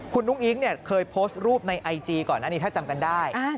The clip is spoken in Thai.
คุณอุ้งอิ๊งเนี่ยเคยโพสต์รูปในไอจีก่อนอันนี้ถ้าจำกันได้